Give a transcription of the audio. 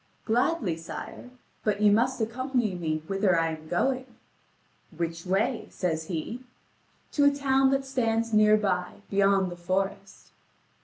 "Gladly, sire: but you must accompany me whither I am going." "Which way?" says he. "To a town that stands near by, beyond the forest."